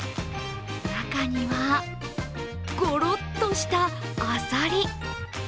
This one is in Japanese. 中には、ごろっとしたあさり。